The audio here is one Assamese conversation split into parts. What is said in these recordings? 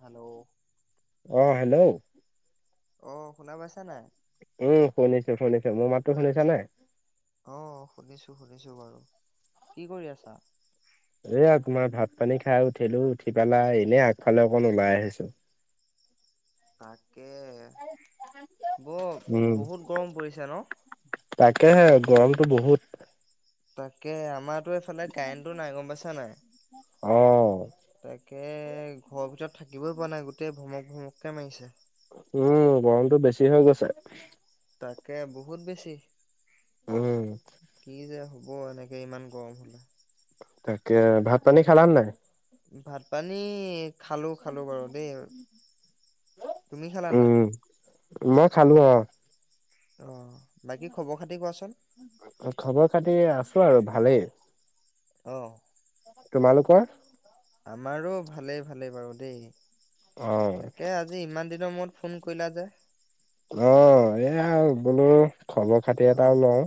হেল্ল'। অ হেল্ল'। অ', শুনা পাইছা নাই? উম, শুনিছো, শুনিছো মোৰ মাততো শুনিছা নাই? অ', শুনিছো, শুনিছো বাৰু কি কৰি আছা? এয়া তোমাৰ ভাত পানী খাই উঠিলো, উঠি পেলাই এনেই আগফালে অকন ওলাই আহিছোঁ। তাকে ব উম বহুত গৰম পৰিছে ন? তাকেহে গৰমটো বহুত। তাকে আমাৰটো এইফালে কাৰেণ্টো নাই গম পাইছা নে নাই? অ'। তাকে ঘৰৰ ভিতৰত থাকিবই পৰা নাই‌ গোটেই ভমক ভমককে মাৰিছে। উম, গৰমটো বেছি হৈ গৈছে। তাকে বহুত বেছি, উম কি যে হ'ব, এনেকে ইমান গৰম হ'লে। তাকে ভাত পানী খালা নে নাই? ভাত পানী খালো খালো বাৰু দেই। তুমি খালা নাই? উম। মই খালো অ'। অ', বাকী খবৰ খাতি কোৱাচোন? খবৰ খাতি আছো আৰু ভালেই। অ'। তোমালোকৰ? আমাৰো ভালেই ভালেই বাৰু দেই। অ তাকে আজি ইমান দিন ৰ মোৰত ফোন কৰিলা যে? অ', এয়া বোলো খবৰ-খাতি অ এটাও লওঁ।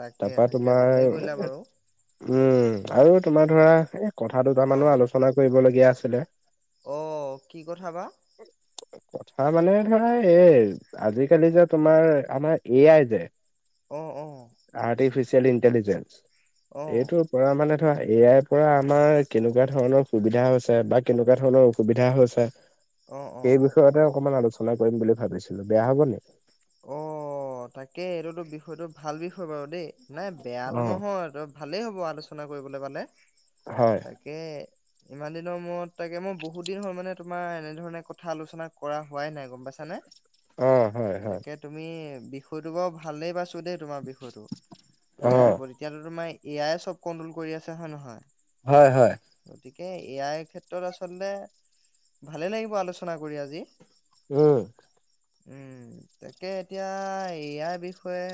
তাকে তাৰপা তাকে তোমাৰ ভালে কৰিলা বাৰু। উম, আৰু তোমাৰ উম, ধৰা এই কথা অ দুটামানো আলোচনা কৰিবলগীয়া আছিলে। অ', কি কথা বা? কথা মানে ধৰা এ আজিকালি যে তোমাৰ, আমাৰ এ আই যে অ অ আৰ্টিফিচিয়েল ইণ্টেলিজেঞ্চ, অ এইটোৰ পৰা মানে এ আই পৰা আমাৰ কেনেকুৱা ধৰণৰ সুবিধা হৈছে? বা কেনেকুৱা ধৰণৰ অসুবিধা হৈছে? অ অ সেই বিষয়তে অকমান আলোচনা কৰিম বুলি ভাবিছিলো বেয়া হ'ব নেকি? অ', তাকে এইটোতো বিষয়টো ভাল বিষয় বাৰু দেই। নাই বেয়াটো অ নহয়, ত ভালেই হ'ব আলোচনা কৰিবলৈ পালে। হয় তাকে ইমান দিনৰ মূৰত তাকে মই বহুত দিন হ'ল মানে তোমাৰ এনেধৰণে কথা আলোচনা কৰা হোৱাই নাই। গম পাইছানে? অ'। হয় হয় তাকে তুমি বিষয়টো বাও ভালেই পা ছো দেই তোমাৰ বিষয়টো, অ এআইৰ ওপৰত। এতিয়াতো তোমাৰ এ আইয়ে চব কন্ট্ৰল কৰি আছে। হয় নে নহয়? হয়, হয়। তাকে এ আই ক্ষেত্ৰত আচলতে ভালে লাগিব আলোচনা কৰি আজি। উম। উম, তাকে এতিয়া এ আইৰ বিষয়ে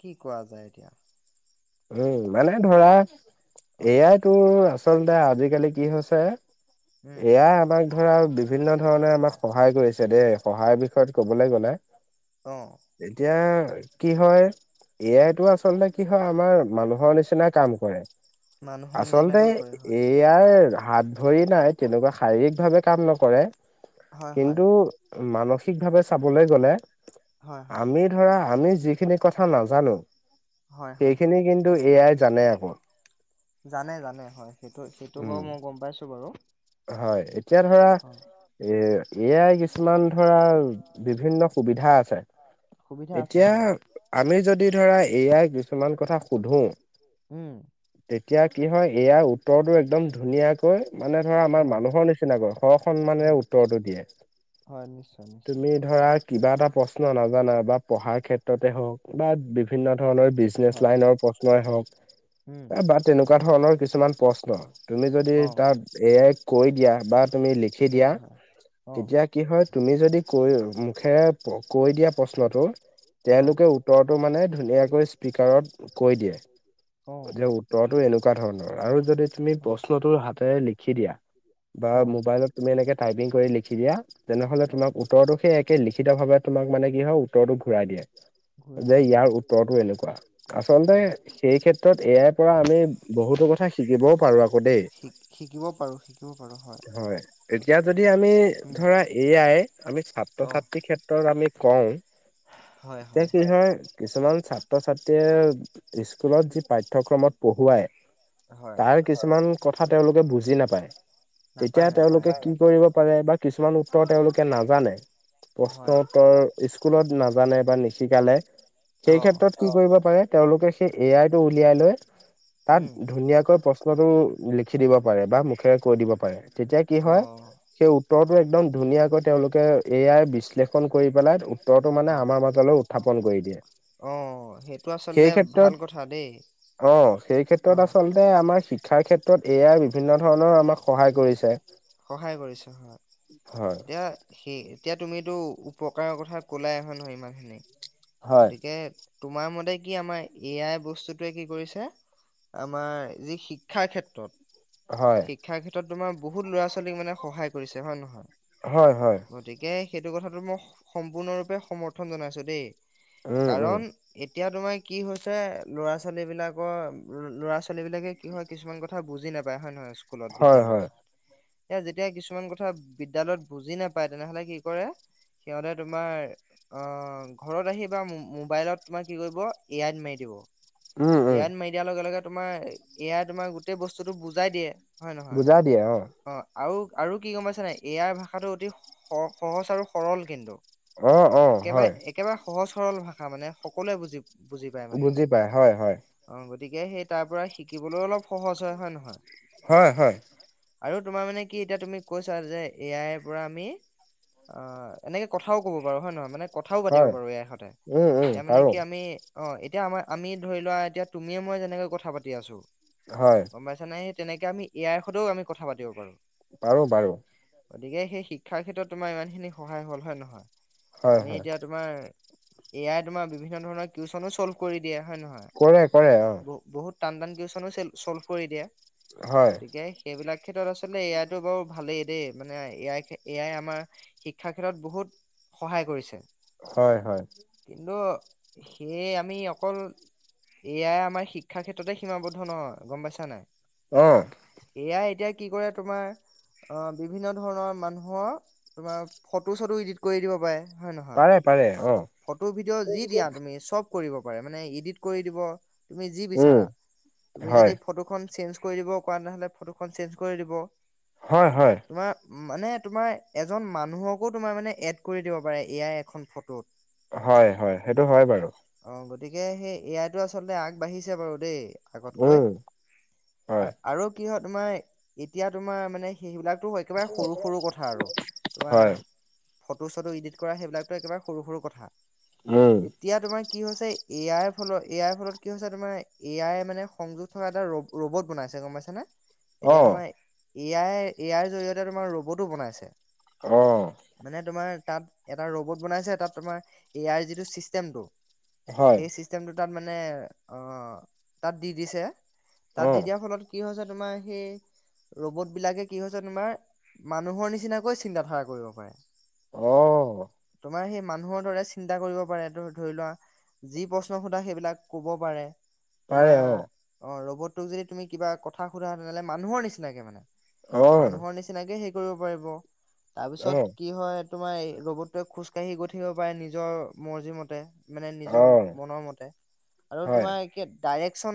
কি কোৱা যায় এতিয়া? উম, মানে ধৰা এ অ', আইতো আচলতে আজিকালি কি হৈছে এ উম, আই আমাক ধৰা বিভিন্ন ধৰণে আমাক সহায় কৰিছে দেই। সহায়ৰ বিষয়ত ক'বলৈ গ'লে অ', এতিয়া কি হয়, এ আইটো আচলতে কি হয় আমাৰ মানুহৰ নিচিনা কাম কৰে। মানুহৰ আচলতে নিচিনাকৈ কৰে হয়। এ আই হাত-ভৰি নাই, তেনেকুৱা শাৰীৰিক ভাৱে কাম নকৰে। হয়, হয়, কিন্তু মানসিক ভাৱে চাবলৈ গ'লে হয়, হয়, আমি ধৰা আমি যিখিনি কথা নাজানো হয়, হয়। সেইখিনি কিন্তু এ আই জানে আকৌ। জানে, জানে, হয়। সেইটো সেইটো উম বাৰু মই গম পাইছো বাৰু। হয়। এতিয়া ধৰা অ', এ এ আই কিছুমান ধৰা বিভিন্ন সুবিধা আছে। সুবিধা আছে এতিয়া হয়, আমি যদি ধৰা এ আই কিছুমান কথা সুধো, উম, তেতিয়া কি হয় এ আইৰ উত্তৰটো একদম ধুনীয়াকৈ মানে ধৰা আমাৰ হয়, মানুহৰ নিচিনাকৈ স-সন্মানৰে হয়, উত্তৰটো দিয়ে। [unintelligible] তুমি ধৰা কিবা এটা প্ৰশ্ন নাজানা বা পঢ়াৰ ক্ষেত্ৰতে হওঁক বা বিভিন্ন ধৰণৰ বিজনেস হয়, লাইনৰ প্ৰশ্নয়ে উম, হহক বা তেনেকুৱা ধৰণৰ কিছুমান প্ৰশ্ন তুমি যদি অ', তাত এ আইক কৈ দিয়া বা তুমি লিখি হয়, দিয়া হয়, অ', তেতিয়া কি হয়, তুমি যদি কৈও, মূখেৰে কৈ দিয়া প্ৰশ্নটো হয়, তেওঁলোকে উত্তৰটো মানে ধুনিয়াকৈ স্পিকাৰত কৈ দিয়ে, অ', যে উত্তৰটো এনেকুৱা ধৰণৰ। আৰু যদি তুমি প্ৰশ্নটো হাতেৰে লিখি দিয়া বা অ', মোবাইলত তুমি এনেকে টাইপিং কৰি লিখি দিয়া, তেনেহলে অ', তোমাক উত্তৰটো সেই একে লিখিত ভাৱে তোমাক মানে কি হয়, উত্তৰটো ঘূৰাই দিয়ে, ঘূৰাই যে দিয়ে ইয়াৰ অ', উত্তৰটো এনেকুৱা। আচলতে অ'। সেই ক্ষেত্ ত্ৰত এ আই পৰা আমি বহুতো কথা শিকিবও পাৰো আকৌ দেই। শিক শিকিব পাৰোঁ শিকিব পাৰোঁ হয়। এতিয়া যদি আমি উম। ধৰা এ আই আমি অ ছাত্ৰ-ছাত্ৰীৰ ক্ষেত্ৰত আমি কওঁ, এতিয়া কি হয় কিছুমান ছাত্ৰ-ছাত্ৰীয়ে স্কুলত যি পাঠ্যক্ৰমত পঢ়ুৱাই হয় তাৰ কিছুমান কথা তেওঁলোকে বুজি নাপায়। তেতিয়া নাপায় নাপায় তেওঁলোকে কি হয় কৰিব পাৰে বা কিছুমান উত্তৰ তেওঁলোকে নাজানে। প্ৰশ্ন হয় উত্তৰ ইস্কুলত নাজানে বা নিশিকালে সেই অ অ ক্ষেত্ৰত কি কৰিব পাৰে তেওঁলোকে সেই এ আই টো উলিয়াই লৈ তাত উম ধুনীয়াকৈ প্ৰশ্নতটো লিখি দিব পাৰে বা মুখেৰে কৈ দিব পাৰে, তেতিয়া কি অ হয়, সেই উত্তৰ একদম ধুনীয়াকৈ তেওঁলোকে এ য়াই বিশ্লেষণ কৰি পেলাই উত্তৰটো মানে অ আমাৰ মাজলৈ উঠাব ফোন কৰি দিয়ে। অ'। সেইটো আচলতে সেই ভাল কথা দেই ক্ষেত্ৰত অ', সেই অ ক্ষেত্ৰত আচলতে আমাৰ শিক শিক্ষাৰ ক্ষেত্ৰত এ য়াই বিভিন্ন ধৰণৰ আমাক সহায় কৰিছে। সহায় কৰিছো হয়, হয় এতিয়া সেই এতিয়া তুমিতো উপকাৰৰ কথা ক'লাই হয়, নে নহয় ইমানখিনি হয় গতিকে তোমাৰ মতে কি? আমাৰ এ আই বস্তুটোৱে কি কৰিছে আমাৰ যি শিক্ষাৰ ক্ষেত্ৰত হয় শিক্ষাৰ ক্ষেত্ৰত তোমাৰ বহুত ল'ৰা ছোৱালীক মানে সহায় কৰিছে হয়, নে নহয়? হয়, হয়। গতিকে সেইটো কথাটো মই সম্পূৰ্ণৰূপে সমৰ্থন জনাইছো দেই উম উম কাৰণ এতিয়া তোমাৰ কি হৈছে ল'ৰা ছোৱালী বিলাকৰ ল'ৰা ছোৱালী বিলাকে কি হয়, কিছুমান কথা বুজি নাপায় হয়, নহয়? স্কুলত হয় বিদ্যালয়ত হয় এতিয়া যেতিয়া কিছুমান কথা বিদ্যালয়ত বুজি নাপায়, তেনেহ'লে কি কৰে সিহঁতে তোমাৰ অ', ঘৰত আহি বা মোবাইলত তোমাৰ কি কৰিব এ আই ত মাৰি দিব। উম এ উম আই ত মাৰি দিয়াৰ লগে, লগে তোমাৰ এ য়াই তোমাৰ গোটেই বস্তুটো বুজাই দিয়ে। হয় নহয়। বুজা দিয়ে অ'। আৰু, আৰু কি গম পাইছা নে নাই? এ য়াই ভাষাটো অতি স সহজ আৰু সৰল কিন্তু। অ অ একেবাৰে, হয় একেবাৰে সহজ সৰল ভাষা মানে সকলোৱে বুজি বুজি পায় মানে। বুজি পায় হয়, হয়। অ গতিকে সেই তাৰ পৰা শিকিবলৈও অলপ সহজ হয়, হয় নে নহয়? হয়, হয়। আৰু তোমাৰ মানে কি এতিয়া তুমি কৈছা যে, এ আইৰ পৰা আমি অ', এনেকে কথাও ক'ব বাৰু হয় নে নহয়? মানে কথাও পাতিব হয় পাৰো এ আই সতে উম উম মানে পাৰো কি আমি অ', এ এতিয়া আমাৰ আমি ধৰি লোৱা এতিয়া তুমিয়ে মই যেনেকৈ কথা পাতি আছো, হয় গম পাইছা নে? তেনেকে আমি এ আইৰ সৈতেও আমি কথা পাতি পাৰো। পাৰোঁ, পাৰোঁ। গতিকে, সেই শিক্ষাৰ ক্ষেত্ৰত তোমাৰ ইমানখিনি সহায় হ'ল হয় নে নহয়? হয় আমি হয় এতিয়া তোমাৰ এ য়াই তোমাৰ বিভিন্ন ধৰণৰ কিউচনো চল্ভ কৰি দিয়ে হয় নে কৰে কৰে অ নহয় বহ বহুত টান, টান কোৱেচনো চে চল্ভ কৰি দিয়ে। হয়। এইবিলাক ক্ষেত্ৰত আচলতে এ আই‌ তো বাৰু ভালেই দেই, মানে এ আই এ আই আমাৰ শিক্ষাৰ ক্ষেত্ৰত বহুত সহায় কৰিছে। হয়, হয়। কিন্তু সেয়ে আমি অকল এ য়াই আমাৰ শিক্ষা ক্ষেত্ৰতে সীমাবদ্ধ নহয় গম পাইছা নে নাই? অহ। এ য়াই এতিয়া কি কৰে তোমাৰ অহ, বিভিন্ন ধৰণৰ মানুহৰ তোমাৰ ফটো চটো ইডিট কৰি দিব পাৰে। হয়, নহয়? পাৰে পাৰে অ ফটো ভিডিঅ' যি দিয়া তুমি চব কৰিব পাৰে মানে, এডিট কৰি দিব তুমি যি উম বিচৰা, তুমি হয় যদি ফটো খন চেন্স কৰি দিব কোৱা নহ'লে ফটো খন চেঞ্জ কৰি দিব, হয় হয় তোমাৰ মানে তোমাৰ এজন মানুহকো তোমাৰ মানে এড কৰি দিব পাৰে, এ য়াই এখন ফটোত। হয়, হয়, সেইটো হয় বাৰু। অ' গতিকে সেই এয়াইটো আচলতে আগবাঢ়িছে বাৰু দেই আগতকৈ উম হয় আৰু কি হয় তোমাৰ এতিয়া তোমাৰ মানে সেইবিলাক এইটো একেবাৰে সৰু, সৰু কথা আৰু হয় তোমাৰ ফটো চটো ইডিট কৰা সেইবিলাকতো একেবাৰে সৰু, সৰু কথা উম এতিয়া তোমাৰ কি হৈছে এ আইৰ ফলত এ আইৰ ফলত কি হৈছে তোমাৰ এ আইৰ মানে সংযোগ থকা এটা ৰ-ৰবৰ্ট বনাইছে। গম পাইচা নে, অ এতিয়া তোমাৰ এ আই এ আইৰ জৰিয়তে তোমাৰ ৰবৰ্টো বনাইছে। অহ। মানে তোমাৰ তাত এটা ৰ'বত বনাইছে তাত তোমাৰ এ আই যিটো চিষ্টেমটো হয় সেই চিষ্টেমটো তাত মানে অহ, তাত দি দিছে, তাত অ দি দিয়াৰ ফলত কি হৈছে তোমাৰ সেই ৰ'বতবিলাকে কি হৈছে তোমাৰ মানুহৰ নিচিনাকৈ চিন্তা ধাৰা কৰিব পাৰে। অহ। আমাৰ সেই মানুহৰ দৰে চিন্তা কৰিব পাৰে, তুমি ধৰি লোৱা যি প্ৰশ্ন সোধা সেইবিলাক ক'ব পাৰে। পাৰে তোমাৰ অ অ', ৰ'বতটোক যদি তুমি কিবা কথা সোধা তেনেহ'লে মানুহৰ নিচিনাকে মানে। অ মানুহৰ নিচিনাকে সেই কৰিব পাৰিব, অ তাৰপিছত কি হয় তোমাৰ এই ৰ'বতটোৱে খোজকাাঢ়ি গৈ ঠাকিব পাৰে নিজৰ মৰ্জি মতে। মানে নিজৰ অ মনৰ মতে আৰু হয় তোমাৰ কে ডাইৰেকচন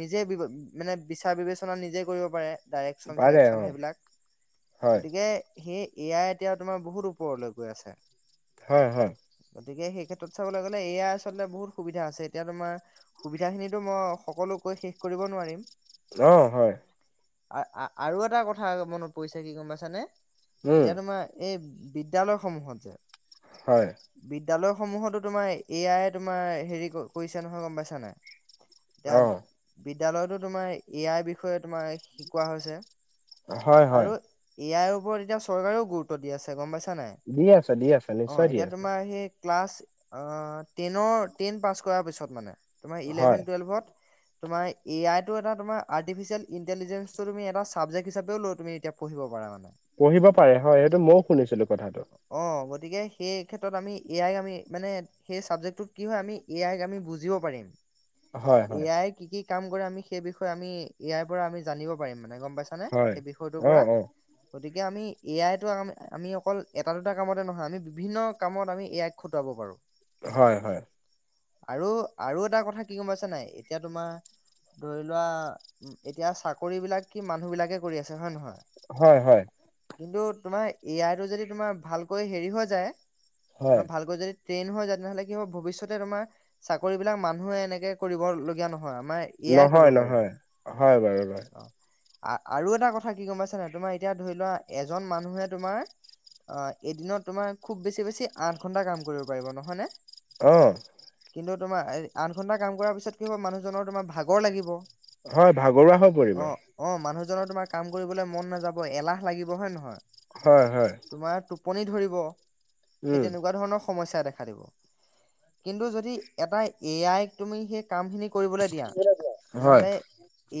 নিজে বি মানে বিচাৰ বিবেচনা নিজে কৰিব পাৰে। ডাইৰেকশচন পাৰে -চাইৰেকচন অ সেইবিলাক হয় গতিকে সি। এয়াই এতিয়া তোমাৰ বহুত ওপৰলৈ গৈ আছে। হয়-হয়। গতিকে সেই ক্ষেত্ৰত চাবলৈ গ'লে এয়াই আচলতে বহুত সুবিধা আছে। এতিয়া তোমাৰ সুবিধা খিনিতো মই সকলো কৈ শেষ কৰিব নোৱাৰিম। অ, হয়। আৰু এটা কথা মনত পৰিছে কি গম পাইছানে। উম এতিয়া তোমাৰ এই বিদ্যালৈ সমূহত যে। হয়। বিদ্যালয় সমূহতো তোমাৰ এয়াই তোমাৰ হেৰি কৰিছে নহয়। গম পাইছা নাই? এতিয়া অহ, বিদ্যালয়তো তোমাৰ এ- আই বিষয়ে তোমাৰ শিকোৱা হৈছে হয় হয় আৰু। ইয়াৰ ওপৰত এতিয়া চন্দ্ৰ ও গুৰুত্ব দি আছে। গম পাইছে নে? দি আছে, দি আছে, নিশ্চয় দি আছে। সেই ক্লাছ অহ, তেনৰ তেন পাঁচ কৰাৰ পিছত মানে তোমাৰ হয় এলেভেন টোৱেলভত, তোমাৰ এ- আই টো এটা তোমাৰ আৰ্টিফিচিয়েল, ইন্টেলিজেন্ট তুমি এটা চাবজেক্ট হিাপেও লই তুমি এতিয়া পঢ়িব পাৰা। পঢ়িব পাৰে হয় সেইটো মইও শুনিছিলো কথাটো। অ গতিকে সেই ক্ষেত্ৰত আমি এ আইক আমি মানে সেই চাবজেক্টটোত কি হয় আমি এ আইক আমি বুজিব পাৰিম। হয় এ হয় আাই কি কি কাম কৰে আমি সেই বিষয়ে আমি এয়াইৰ পৰা আমি জানিব পাৰিম। মানে গম পাইছানে হয় সেই বিষয়টোৰ অ পৰা। অ গতিকে আমি এ -আইটো আ আমি অকল এটা দুটা কামতে নহয় আমি বিভিন্ন কামত আমি এ- আইক খটুৱাব পাৰোঁ। হয়-হয়। আৰু আৰু এটা কথা কি গম পাইছা নাই, এতিয়া তোমাৰ ধৰি লোৱা। এতিয়া চাকৰি বিলাক কি মানুহ বিলাকে কৰি আছে। হয় নহয়, হয় হয়। কিন্তু তোমাৰ এ আই টো যদি তোমাৰ ভালকৈ হেৰি হৈ যায়, হয় তোমাৰ ভালকৈ যদি ট্ৰেইন হয় যায় তেনেহলে কি হ'ব, ভৱিষ্যতে তোমাৰ চাকৰি বিলাক মানুহে এনেকে কৰিবলগীয়া নহয় আও। আমাৰ এ আই নহয় কৰিব পাৰিব। নহয় হয় বাৰু, বাৰু অ আৰু এটা কথা কি গম পাইছা নাই। তোমাৰ এতিয়া ধৰি লোৱা এজন মানুহে তোমাৰ, অ এদিনত তোমাৰ খুব বেছি বেছি আঠ ঘন্টা কাম কৰিব পাৰিব। নহয় নে? অহ। কিন্তু তোমাৰ আঠ ঘণ্টা কাম কৰাৰ পিছত কি হব মানুহজনৰ তোমাৰ ভাগৰ লাগিব। হয় ভাগৰুৱা হৈ পৰিব। জনৰ তোমাৰ কাম কৰিবলৈ মন নাযাব, এলাহ লাগিব, হয় নহয়? হয় হয়। তোমাৰ টোপনি ধৰিব। সেই উম তেনেকুৱা ধৰণৰ সমস্যা দেখা দিব। কিন্তু যদি এটা এ আইক তুমি সেই কামখিনি, কৰিবলৈ দিয়া। হয় তেনেহ'লে,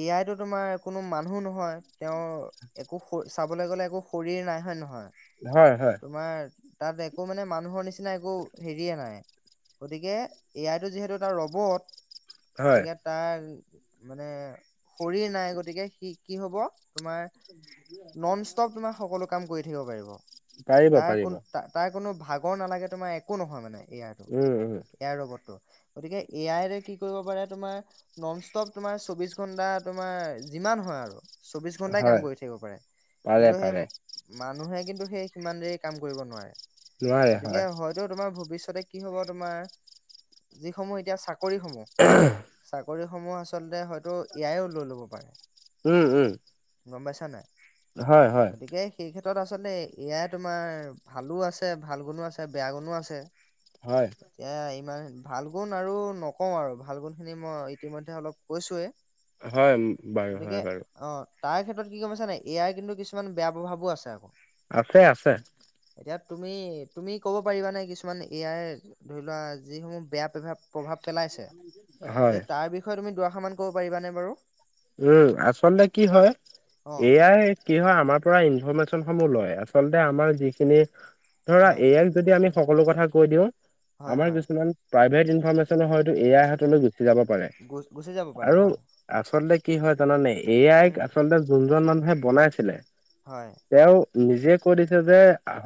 এ আইটো তোমাৰ কোনো মানুহ নহয়। তেওঁৰ একো চাবলৈ গলে একো শৰীৰ নাই। হয় নহয়? হয় হয় তোমাৰ তাত একো মানে মানুহৰ নিচিনা একো হেৰিয়ে নাই, গতিকে এ আই টো যিহেতু এটা ৰবট, হয় গতিকে তাৰ মানে শৰীৰ নাই, গতিকে সি কি হব, তোমাৰ, নন ষ্টপ তোমাৰ সকলো কাম কৰি থাকিব পাৰিব। পাৰিব তাৰ পাৰিব কোন তাৰ, কোনো ভাগৰ নালাগে, তোমাৰ একো নহয় মানে এ আৰটো। উম উম এ আইৰ ৰবটটো। গতিকে এ আইৰে কি কৰিব পাৰে তোমাৰ ননষ্টপ তোমাৰ চৌবিশ ঘণ্টা তোমাৰ যিমান হয় আৰু চৌবিশ ঘন্টাই কাম হয় কৰি থাকিব পাৰে পাৰে কিন্তু সেই পাৰে মানুহে কিন সেই সিমান দেৰি কাম কৰিব নোৱাৰে। নোৱাৰে গতিকে হয় হয়তো তোমাৰ ভৱিষ ষ্যতে কি হ'ব তোমাৰ। যিসমূহ এতিয়া চাকৰিসমূহ চাক কৰিসমূহ আচলতে হয়তো এ আইও লৈ ল'ব পাৰে। উম উম। গম পাইছা নাই? হয় হয় গতিকে সেই ক্ষেত তত আচলতে এ আই তোমাৰ ভালো আছে, ভাল গুণো আছে বেয়া গুণো আছে। হয়। নাই, ভাল গুণ আৰু নকও আৰু ভাল গুণ খিনি মই ইতিমধ্যে অলপ কৈছোৱে। হয় বাৰু হয় বাৰু। তাইৰ ক্ষেত্ৰত কি গম পাইছা নে নাই, এ আইৰ কিন্তু কিছুমান বেয়া প্ৰভাৱো আছে আক। আছে আছে। ইয়াত তুমি তুমি ক'ব পাৰিবানে কিছুমান এ আইৰ ধৰি লোৱা যিসমূহ বেয়া প্ৰেভাৱ প্ৰভাৱ পেলাইছে। হয় এই তাৰ বিষয়ে তুমি দুৱাষাৰ মান ক'ব পাৰিবানে বাৰু? উম। আচলতে কি হয়, অ এ আই কি হয় আমাৰ পৰা ইনফৰমেচন সমূহ লয়। আচলতে আমাৰ যিখিনি ধৰা হয় এ আইক যদি আমি সকলো কথা কৈ দিওঁ হয় আমাৰ হয় কিছুমান প্ৰাইভেট ইনফৰমেচন হয়টো এ আইৰ হাতলৈ গুছ ছি যাব পাৰে গুচ গুচি যাব পাৰে আৰু হয় আচলতে কি হয় জানানে এ আইক উম আচলতে জোনজন মানুহে বনাইছিলে, হয়। তেওঁ নিজে কৈ দিছে যে,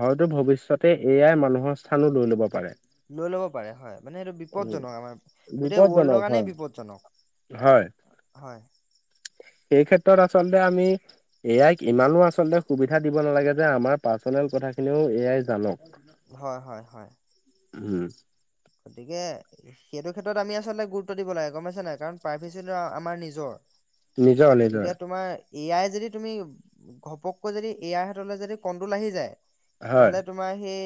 হয়তো ভৱিষ্যতে এ আইয়ে মানুহৰ স্থানো লৈ ল'ব পাৰে। লৈ ল'ব পাৰে হয়। মানে এইটো উম, বিপদজনক, আমাৰ গোটেই বিপদজনক ৱৰ্ল্ডৰ কাৰণেই হয় বিপদজনক। হয়। উ [unintelligible] সেই ক্ষেত্ৰত আচলতে আমি এ আইক ইমানো আচলতে সুবিধা দিব নালাগে যে আমাৰ পাৰ্চনেল কথা কথাখিনিও এ আই জানক। হয় হয় হয় উম। গতিকে সেইটো ক্ষেত্ৰত আমি আচলতে গুৰুত্ব দিব লাগে গম পাইছা নাই কাৰণ প্ৰাভেচিটো আমাৰ নিজৰ। নিজৰ নিজৰ গতিকে তোমাৰ এ আই যদি তুমি ঘপককৈ যদি এ আই হতলৈ যদি কণ্ট্ৰোল আহি যায় হয় তেনেহ'লে তোমাৰ সেই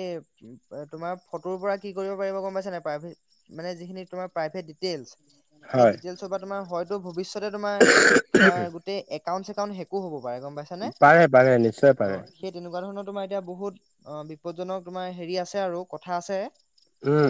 তোমাৰ ফটোৰ পৰা কি কৰিব পাৰিব গম পাইছা না নাই মানে যিখিনি তোমাৰ প্ৰাইভেট ডিটিৱেলচ সেইখিনি হয় ডিটিৱেলচৰ পৰা তোমাৰ হয়তো ভৱিষ্যত তোমাৰ তোমাৰ গোটেই একাউন্ট চেকাউন্ট হেকো হ'ব। গম পাইছানে। পাৰে পাৰে নিশ্চয় অ পাৰে 'সেই তেনেকুৱা ধৰণৰ। তোমাৰ এতিয়া বহুত অ বিপদজনক তোমাৰ হেৰি আছে আৰু কথা আছে। উম